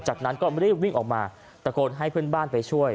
จากนั้นก็รีบวิ่งออกมาตะโกนให้เพื่อนบ้านไปช่วย